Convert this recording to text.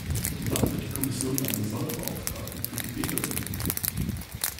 Wann wird die Kommission einen Sonderbeauftragten für Tibeter benennen?